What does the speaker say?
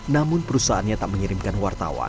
namun perusahaannya tak mengirimkan wartawan